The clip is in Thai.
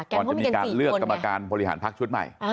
ก่อนจะมีการเลือกกรรมการบริหารพักชุดใหม่